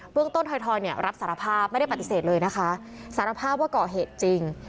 เรื่องต้นถอยเนี่ยรับสารภาพไม่ได้ปฏิเสธเลยนะคะสารภาพว่าก่อเหตุจริง